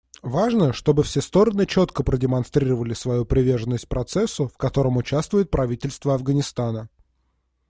Важно, чтобы все стороны четко продемонстрировали свою приверженность процессу, в котором участвует правительство Афганистана.